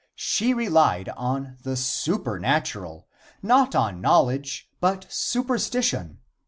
She relied on the supernatural; not on knowledge, but superstition.